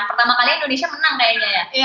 pertama kali indonesia menang kayaknya ya di konteks